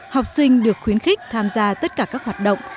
học sinh được khuyến khích tham gia tất cả các hoạt động